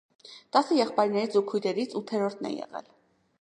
Տասը եղբայրներից ու քույրերից ութերորդն է եղել։